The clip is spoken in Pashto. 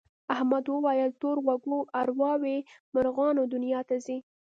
احمد وویل تور غوږو ارواوې مرغانو دنیا ته ځي.